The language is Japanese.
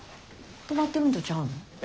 止まってるんとちゃうん？